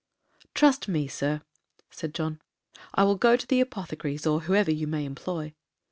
'Trust me, Sir,' said John; 'I will go to the apothecary's, or whoever you may employ.'